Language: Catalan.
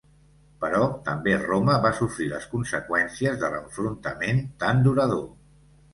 Però també Roma va sofrir les conseqüències de l'enfrontament tan durador.